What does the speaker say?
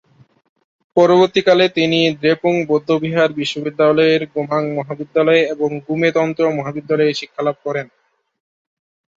পরবর্তীকালে তিনি দ্রেপুং বৌদ্ধবিহার বিশ্ববিদ্যালয়ের গোমাং মহাবিদ্যালয়ে এবং গ্যুমে তন্ত্র মহাবিদ্যালয়ে শিক্ষালাভ করেন।